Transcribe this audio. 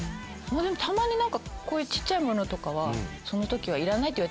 まぁでもたまに何かこういう小っちゃいものとかはその時は。